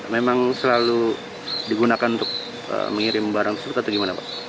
memang selalu digunakan untuk mengirim barang surut atau gimana pak